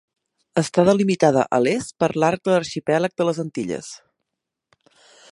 Està delimitada a l'est er l'arc de l'arxipèlag de les Antilles.